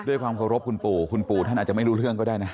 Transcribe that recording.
ด้วยความเคารพคุณปู่คุณปู่ท่านอาจจะไม่รู้เรื่องก็ได้นะ